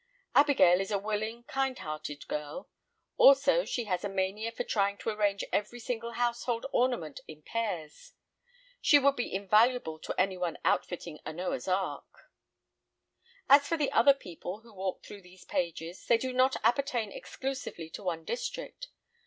Abigail is a willing, kindhearted girl. Also she has a mania for trying to arrange every single household ornament in pairs. She would be invaluable to anyone outfitting a Noah's Ark. As for the other people who walk through these pages, they do not appertain exclusively to one district.